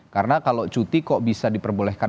karena kalau cuti kok bisa diperbolehkan